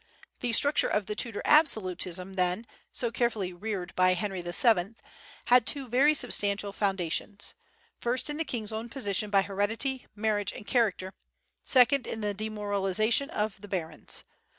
The structure of the Tudor absolutism, then, so carefully reared by Henry VII, had two very substantial foundations, first in the king's own position by heredity, marriage and character; second, in the demoralization of the barons.